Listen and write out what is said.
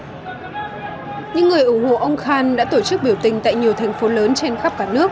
những người ủng hộ ông khan đã tổ chức biểu tình tại nhiều thành phố lớn trên khắp cả nước